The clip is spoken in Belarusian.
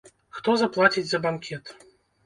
Хто заплаціць за банкет?